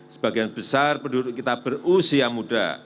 sebagian besar penduduk kita berusia muda